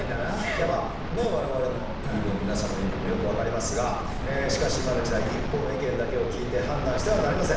いやまあ我々の言い分皆さんの言い分もよく分かりますがしかし今の時代一方の意見だけを聞いて判断してはなりません。